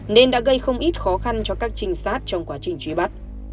nên đã gây không ít khó khăn cho các trinh sát trong quá trình truy bắt